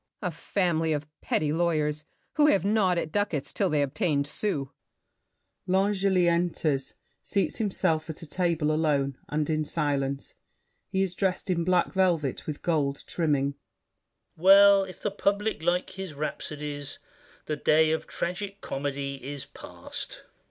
BOUCHAVANNES. A family of petty lawyers, who Have gnawed at ducats 'til they obtained sous. [L'Angely enters, seats himself at a table alone, and in silence. He is dressed in black velvet with gold trimming. VILLAC. Well, if the public like his rhapsodies The day of tragic comedy is past.